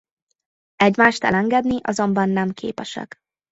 Egymást elengedni azonban nem képesek.